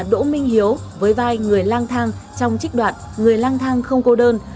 đỗ minh hiếu với vai người lang thang trong trích đoạn người lang thang không cô đơn